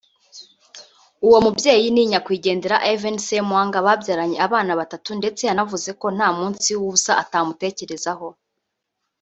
uwo mubyeyi ni nyakwigendera Ivan Ssemwanga babyaranye abana batatu ndetse yanavuze ko nta munsi w’ubusa atamutekerezaho